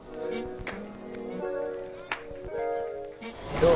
どう？